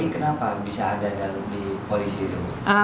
kenapa bisa ada dalam di polisi itu